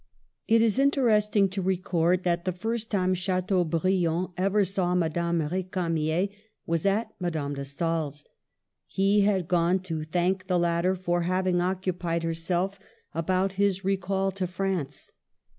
It is interesting to record that the first time Chateaubriand ever saw Madame R6camier was at Madame de Stael's. He had gone to thank the latter for having occupied herself about his recall to France.